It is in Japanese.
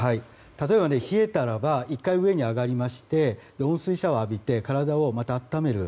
例えば冷えたらば１回上に上がりまして温水シャワーを浴びて体をまた温める。